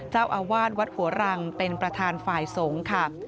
เจ้าอาวาสวัดหัวรังเป็นประธานฝ่ายสงฆ์ค่ะ